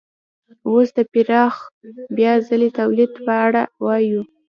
اوس د پراخ بیا ځلي تولید په اړه وایو